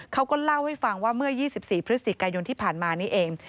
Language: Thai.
เขาก็เล่าให้ฟังว่าเมื่อ๒๔พฤศจิกายนที่ผ่านมานี่เอง